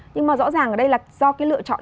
nhưng mà rõ ràng ở đây là do cái lựa chọn